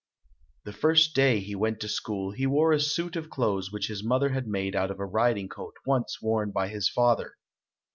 The first day he went to school, he wore a suit of clothes which his mother had made out of a riding coat once worn by his father.